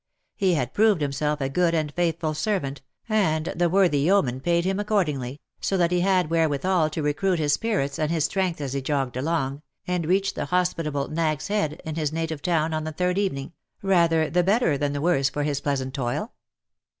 He had proved himself a good and faithful servant, and the worthy yeoman paid him accordingly, so that he had wherewithal to recruit his spirits and his strength as he jogged along, and reached the hospitable Nag's Head in his native town on the third evening, rather the better than the worse for his pleasant toil.